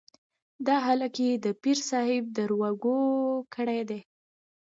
دا هلک يې د پير صاحب دروږ کړی دی.